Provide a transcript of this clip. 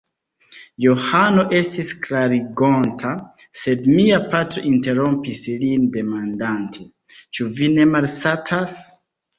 Johano estis klarigonta, sed mia patro interrompis lin demandante: Ĉu vi ne malsatas?